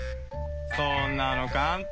そんなのかん単。